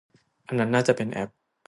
อันนั้นน่าจะเป็นแอป